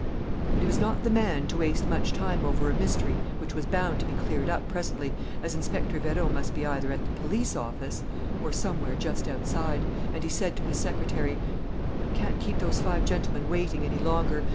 But he was not the man to waste much time over a mystery which was bound to be cleared up presently, as Inspector Vérot must be either at the police office or somewhere just outside; and he said to his secretary: "I can't keep those five gentlemen waiting any longer.